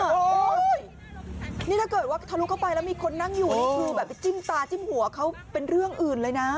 โอ้โหนี่ถ้าเกิดว่าทะลุเข้าไปแล้วมีคนนั่งอยู่นี่คือแบบไปจิ้มตาจิ้มหัวเขาเป็นเรื่องอื่นเลยนะ